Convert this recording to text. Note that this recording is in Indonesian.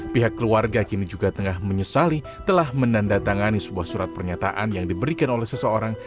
pihak keluarga kini juga tengah menyesali telah menandatangani sebuah surat pernyataan yang diberikan oleh seseorang